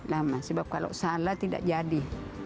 lama sebab kalau salah tidak jadi